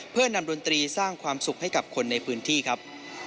เพื่อนำดนตรีสร้างความสุขให้กับคนในพื้นที่ครับ